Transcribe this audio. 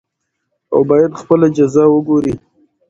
او بايد خپله جزا وګوري .